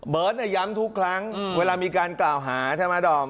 เบิร์ตเนี่ยย้ำทุกครั้งเวลามีการกล่าวหาใช่ไหมดอม